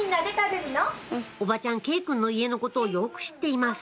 おばちゃん慶くんの家のことをよく知っています